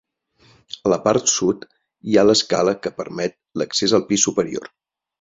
A la part sud hi ha l’escala que permet l’accés al pis superior.